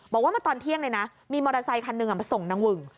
บอกว่าเมื่อตอนเที่ยงเลยนะมีมอเตอร์ไซคันหนึ่งมาส่งนางหึ่ง